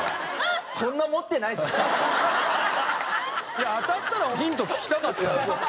いや当たったらヒント聞きたかったよ。